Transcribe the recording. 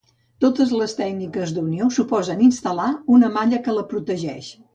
Totes les tècniques d'unió suposen instal·lar una malla que la protegeix.